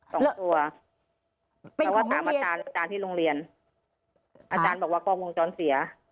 ๒ตัวแต่ว่าตามอาจารย์ที่โรงเรียนอาจารย์บอกว่ากล้องวงจรเสีย